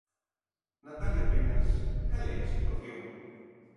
Natalia Penas, cal é a situación?